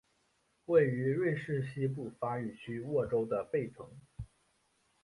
位于瑞士西部法语区沃州的贝城。